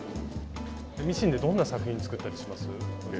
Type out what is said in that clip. ミシンでどんな作品つくったりします？